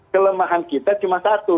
kelemahan kita cuma satu